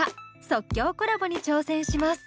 即興コラボに挑戦します。